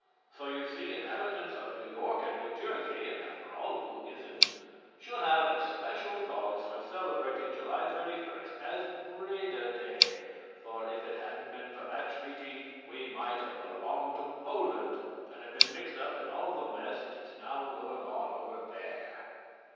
So, you see, inhabitants of New York and New Jersey (and, after all, who isn't?) should have especial cause for celebrating July 31 as Breda Day, for if it hadn't been for that treaty we might have belonged to Poland and been mixed up in all the mess that is now going on over there.